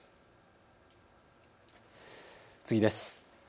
次です。